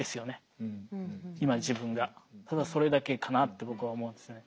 ただそれだけかなって僕は思うんですね。